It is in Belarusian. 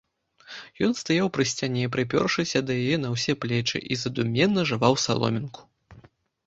Ён стаяў пры сцяне, прыпёршыся да яе на ўсе плечы, і задуменна жаваў саломінку.